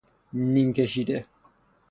نیم کشیده